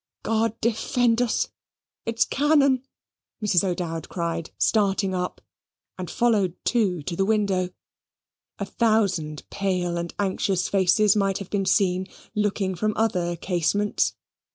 "God defend us; it's cannon!" Mrs. O'Dowd cried, starting up, and followed too to the window. A thousand pale and anxious faces might have been seen looking from other casements.